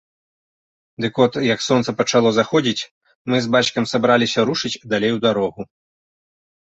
Дык от, як сонца пачало заходзіць, мы з бацькам сабраліся рушыць далей у дарогу.